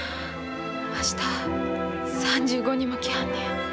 明日３５人も来はんねん。